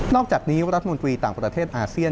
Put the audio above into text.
อกจากนี้รัฐมนตรีต่างประเทศอาเซียน